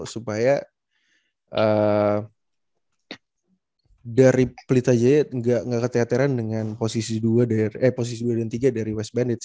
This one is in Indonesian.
supaya dari pelit aja aja gak keterateran dengan posisi dua dan tiga dari west bandits